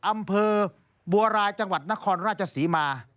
อำเภอบัวรายจังหวัดนครราชศรีมา